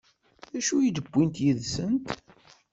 D acu i d-wwint yid-sent?